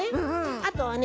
あとはね